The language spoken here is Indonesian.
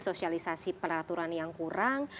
sosialisasi peraturan yang kurang